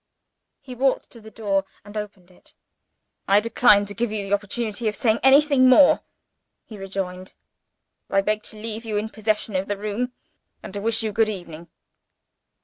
He walked to the door, and opened it. "I decline to give you the opportunity of saying anything more," he rejoined. "I beg to leave you in possession of the room, and to wish you good evening."